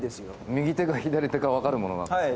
右手か左手か分かるものなんですか？